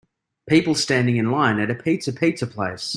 People standing in line at a Pizza Pizza place.